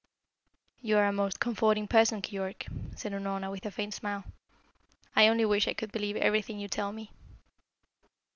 "You are a most comforting person, Keyork," said Unorna, with a faint smile. "I only wish I could believe everything you tell me."